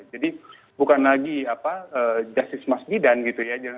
jadi bukan lagi apa jasis masjidan gitu ya